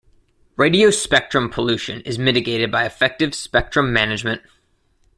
Radio spectrum pollution is mitigated by effective spectrum management.